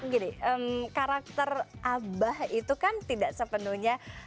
gini karakter abah itu kan tidak sepenuhnya